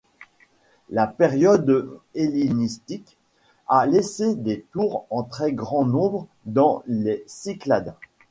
La période hellénistique a laissé des tours en très grand nombre dans les Cyclades.